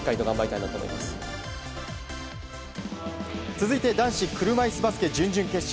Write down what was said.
続いて男子車いすバスケ準々決勝。